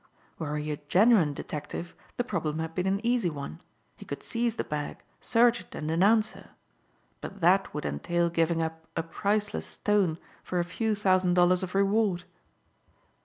Were he a genuine detective the problem had been an easy one. He could seize the bag, search it and denounce her. But that would entail giving up a priceless stone for a few thousand dollars of reward.